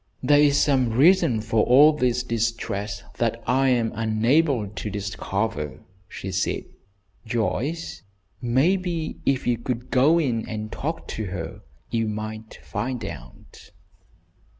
"There is some reason for all this distress that I am unable to discover," she said. "Joyce, maybe if you would go in and talk to her you might find out."